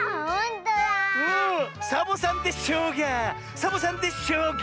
サボさんで「しょうが」！